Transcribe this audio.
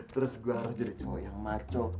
terus gue harus jadi cowok yang maco